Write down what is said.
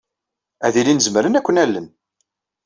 Ad ilin zemren ad ken-allen.